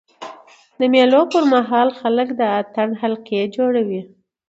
د مېلو پر مهال خلک د اتڼ حلقې جوړوي.